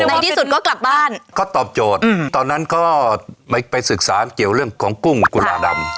ในที่สุดก็กลับบ้านก็ตอบโจทย์ตอนนั้นก็ไปไปศึกษาเกี่ยวเรื่องของกุ้งกุลาดำ